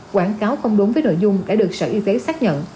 quảng cáo không đúng với nội dung đã được sở y tế xác nhận